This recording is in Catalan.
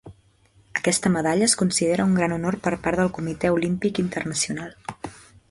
Aquesta medalla es considera un gran honor per part del Comitè Olímpic Internacional.